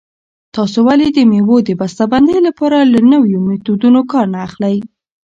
تاسې ولې د مېوو د بسته بندۍ لپاره له نویو میتودونو کار نه اخلئ؟